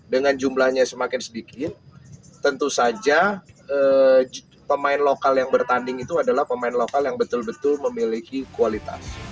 dengan jumlahnya semakin sedikit tentu saja pemain lokal yang bertanding itu adalah pemain lokal yang betul betul memiliki kualitas